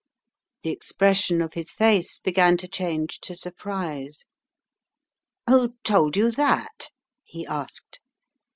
The expression of his face began to change to surprise. "Who told you that?" he asked.